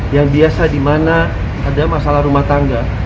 yang biasa dimana ada masalah rumah tangga